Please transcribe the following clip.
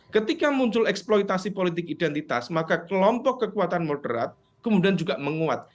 ketika muncul eksploitasi politik identitas maka kelompok kekuatan moderat kemudian juga menguat